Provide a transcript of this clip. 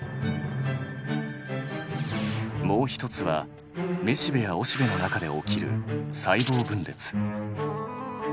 もう一つはめしべやおしべの中で起きる細胞分裂。